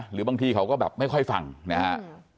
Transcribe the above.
หรือบางทีเขาก็แบบไม่ค่อยฟังนะครับ